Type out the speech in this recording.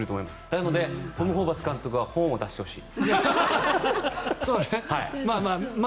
なので、トム・ホーバス監督は本を出してほしい。